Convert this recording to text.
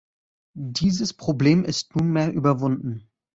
Dieses Problem ist nunmehr überwunden.